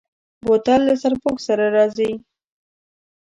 بوتل له سرپوښ سره راځي.